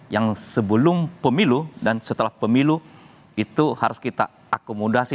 yang sebelum pemilu dan setelah pemilu itu harus kita akomodasi